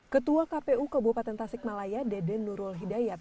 ketua kpu kebupatan tasik malaya dede nurul hidayah